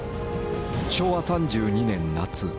昭和３２年夏。